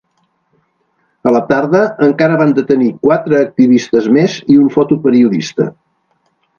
A la tarda, encara van detenir quatre activistes més i un fotoperiodista.